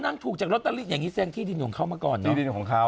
นั่งถูกจากล็อตเตอรี่อย่างนี้เซ็งที่ดินของเขาเมื่อก่อนเนอะ